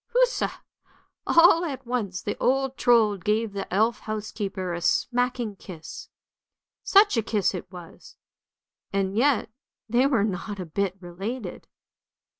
Huzza! All at once the old Trold gave the elf housekeeper a smacking kiss, such a kiss it was, and yet they were not a bit related.